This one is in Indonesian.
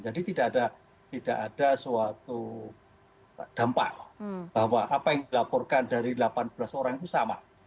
jadi tidak ada suatu dampak bahwa apa yang dilaporkan dari delapan belas orang itu sama